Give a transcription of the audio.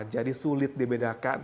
jadi sulit dibedakan